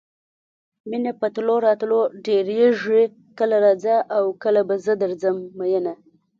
مینه په تلو راتلو ډېرېږي کله راځه او کله به زه درځم میینه.